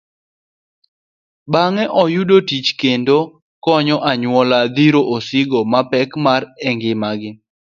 Bang'e oyudo tich kendo konyo anyuola dhiro osigo mapek mar ngima.